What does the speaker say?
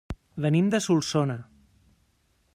Venim de Solsona.